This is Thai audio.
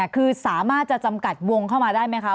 คือสามารถจะจำกัดวงเข้ามาได้ไหมคะ